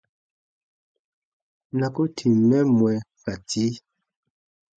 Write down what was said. Na ko tìm mɛ mwɛ ka tii.